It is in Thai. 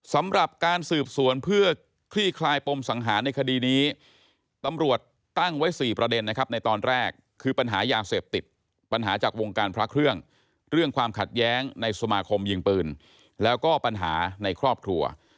สำหรับการสืบสวนเพื่อคลี่คลายปมสังหารในคดีนี้ตำรวจตั้งไว้๔ประเด็นนะครับในตอนแรกคือปัญหายาเสพติดปัญหาจากวงการพระเครื่องเรื่องความขัดแย้งในสมาคมยิงปืนแล้วก็ปัญหาในครอบครัว